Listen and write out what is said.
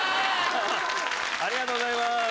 ありがとうございます。